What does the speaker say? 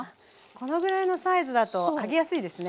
このぐらいのサイズだと揚げやすいですね。